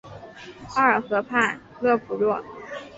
奥尔河畔勒普若。